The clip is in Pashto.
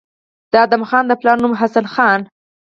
د ادم خان د پلار نوم حسن خان